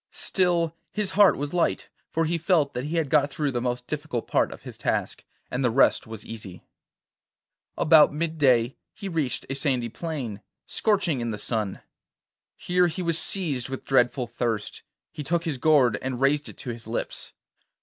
Still his heart was light, for he felt that he had got through the most difficult part of his task, and the rest was easy. About mid day he reached a sandy plain, scorching in the sun. Here he was seized with dreadful thirst; he took his gourd and raised it to his lips.